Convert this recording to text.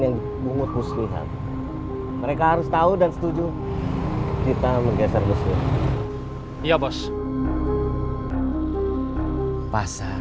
yang umut muslihat mereka harus tahu dan setuju kita mergeser besok ya bos pasar